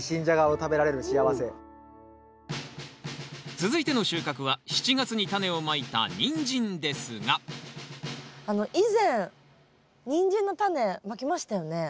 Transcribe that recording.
続いての収穫は７月にタネをまいたニンジンですが以前ニンジンのタネまきましたよね？